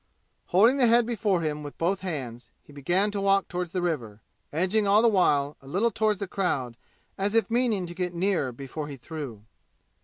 Holding the head before him with both hands, he began to walk toward the river, edging all the while a little toward the crowd as if meaning to get nearer before he threw.